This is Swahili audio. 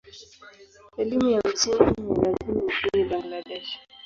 Elimu ya msingi ni ya lazima nchini Bangladesh.